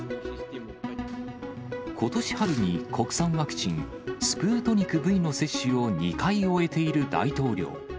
ことし春に国産ワクチン、スプートニクＶの接種を２回終えている大統領。